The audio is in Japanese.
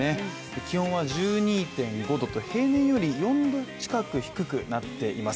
気温は１２．４度と平年より４℃近く低くなっています